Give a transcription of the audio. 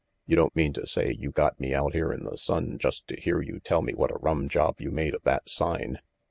"You don't mean to say you got me out here in the sun just to hear you tell me what a rum job you made of that sign?"